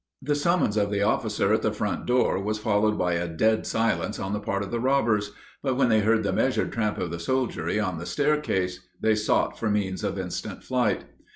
The summons of the officer at the front door was followed by a dead silence on the part of the robbers: but when they heard the measured tramp of the soldiery on the stair case, they sought for means of instant flight.